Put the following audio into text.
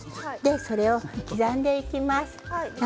それを刻んでいきます。